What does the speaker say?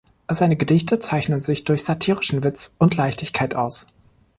Seine Gedichte zeichnen sich durch satirischen Witz und Leichtigkeit aus.